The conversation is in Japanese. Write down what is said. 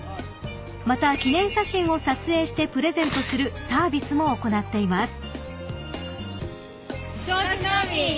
［また記念写真を撮影してプレゼントするサービスも行っています］